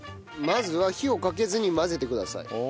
まずは火をかけずに混ぜてください。